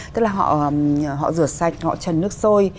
tức là họ rửa sạch họ trần nước sôi